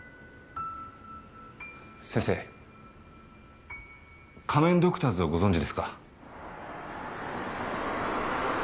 先生仮面ドクターズをご存じですか？